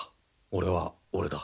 俺は俺だ。